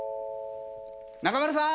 中丸さん。